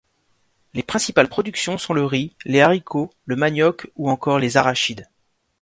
Les principales productions sont le riz, les haricots, le manioc ou encore les arachides.